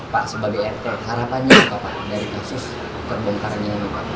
pak sebagai rt harapannya apa pak dari kasus terbongkarnya ini pak